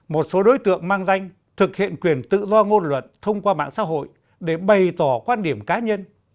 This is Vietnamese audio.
một số đối tượng mang danh thực hiện quyền tự do ngôn luận thông qua mạng xã hội để bày tỏ quan điểm cá nhân